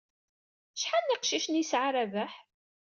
Acḥal n yeqcicen ay yesɛa Rabaḥ?